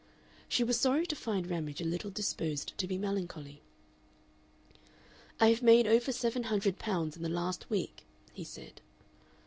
She was sorry to find Ramage a little disposed to be melancholy. "I have made over seven hundred pounds in the last week," he said.